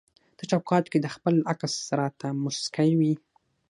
ته چوکاټ کي د خپل عکس راته مسکی وي